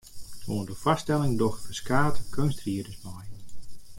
Oan de foarstelling dogge ferskate keunstriders mei.